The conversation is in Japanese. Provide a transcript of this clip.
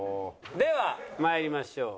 ではまいりましょう。